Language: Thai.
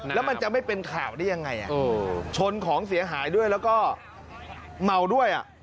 แล้วมันจะไม่เป็นข่าวได้ยังไงชนของเสียหายด้วยแล้วก็เมาด้วย